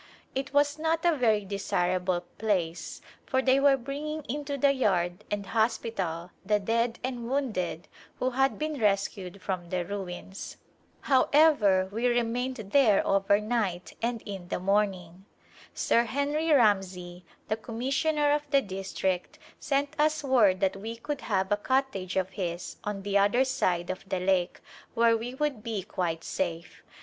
It was not a very desirable place fjr they were bringing into the yard Second Journey to India and hospital the dead and wounded who had been res cued from the ruins; however we remained there over night and in the morning, Sir Henry Ramsay, the Commissioner of the district, sent us word that we could have a cottage of his on the other side of the lake, where we would be quite safe.